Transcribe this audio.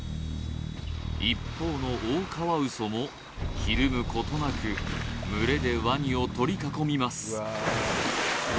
一方のオオカワウソもひるむことなく群れでワニを取り囲みます